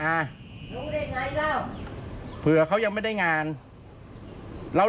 ถ้าสมมุติถ้าเจ๊บก็ยังไม่ได้งานอ่ะอ่ะ